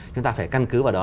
chúng ta phải căn cứ vào đó